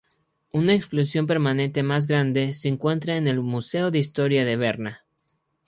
Una exposición permanente más grande se encuentra en el Museo de Historia de Berna.